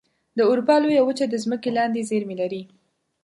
د اروپا لویه وچه د ځمکې لاندې زیرمې لري.